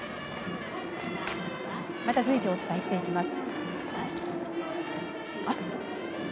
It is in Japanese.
また随時お伝えしていきます。